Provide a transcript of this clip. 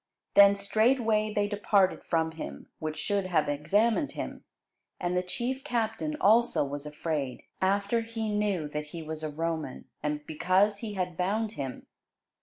Then straightway they departed from him which should have examined him: and the chief captain also was afraid, after he knew that he was a Roman, and because he had bound him.